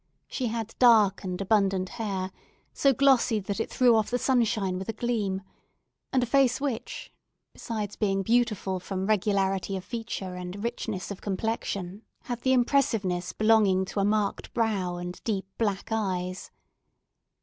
She had dark and abundant hair, so glossy that it threw off the sunshine with a gleam; and a face which, besides being beautiful from regularity of feature and richness of complexion, had the impressiveness belonging to a marked brow and deep black eyes.